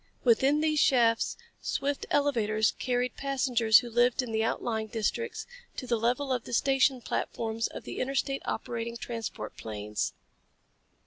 Within these shafts, swift elevators carried passengers who lived in the outlying districts to the level of the station platforms of the interstate operating transport planes.